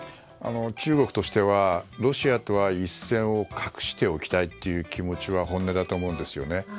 中国としてはロシアとは一線を画しておきたいという気持ちは本音だと思うんですよね。